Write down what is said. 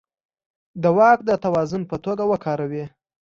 د واک د توازن په توګه وکاروي.